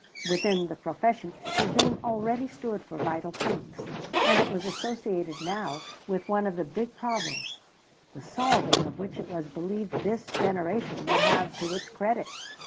Within the profession his name already stood for vital things, and it was associated now with one of the big problems, the solving of which it was believed this generation would have to its credit.